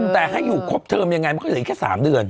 แต่ให้อยู่ครบเทอมยังไงมันก็เหลืออีกแค่๓เดือน